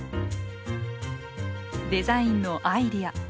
デザインのアイデア。